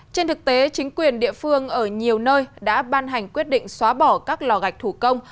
tuy nhiên địa phương ở nhiều nơi đã ban hành quyết định xóa bỏ các lò gạch thủ công